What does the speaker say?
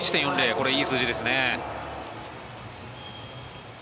これはいい数字ですね。